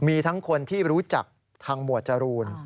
มีทั้งคนที่รู้จักทางหมวดจรูน